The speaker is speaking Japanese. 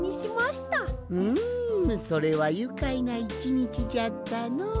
うんそれはゆかいな１にちじゃったのう。